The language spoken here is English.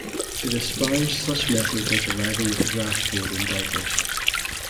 It espoused such methods as arriving at the draft board in diapers.